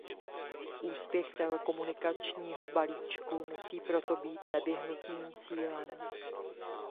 Úspěch telekomunikačního balíčku musí proto být nevyhnutným cílem.